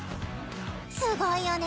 すごいよね！